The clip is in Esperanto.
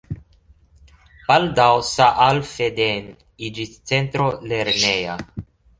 Baldaŭ Saalfelden iĝis centro lerneja.